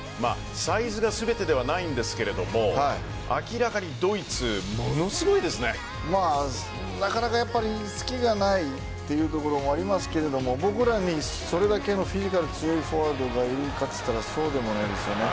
サイズが全てではないんですけれども明らかにドイツなかなかやっぱり隙がないというところもありますけど僕らにそれだけのフィジカル強いフォワードがいるかといったらそうでもないですよね。